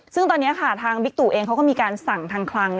ซึ่งตอนนี้ค่ะทางบิ๊กตู่เองเขาก็มีการสั่งทางคลัง